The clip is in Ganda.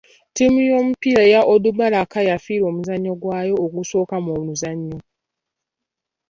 Ttiimu y'omupiira eya Onduparaka yafiirwa omuzannyo gwayo ogwasooka mu luzannya.